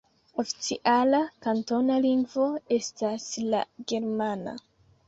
Oficiala kantona lingvo estas la germana.